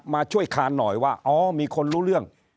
มาช่วยคานหน่อยว่าอ๋อมีคนรู้เรื่อง